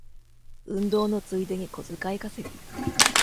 運動のついでに小遣い稼ぎ